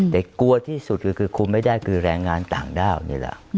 แต่กลัวที่สุดก็คือคุมไม่ได้คือแรงงานต่างด้าวนี่แหละ